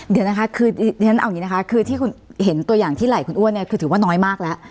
เดี๋ยวนะคะคือที่คุณเห็นตัวอย่างที่ไหลคุณอ้วนเนี่ยคือถือว่าน้อยมากแล้ว